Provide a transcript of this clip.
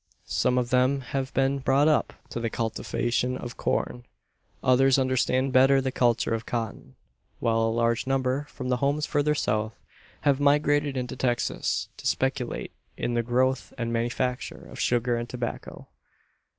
Some of them have been brought up to the cultivation of corn; others understand better the culture of cotton; while a large number, from homes further south, have migrated into Texas to speculate in the growth and manufacture of sugar and tobacco.